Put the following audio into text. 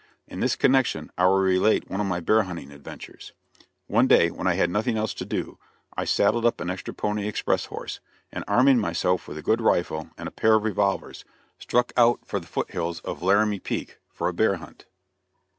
In this connection I will relate one of my bear hunting adventures. One day, when I had nothing else to do, I saddled up an extra pony express horse, and arming myself with a good rifle and pair of revolvers, struck out for the foot hills of Laramie Peak for a bear hunt.